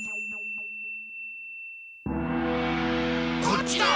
こっちだ！